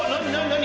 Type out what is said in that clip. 何？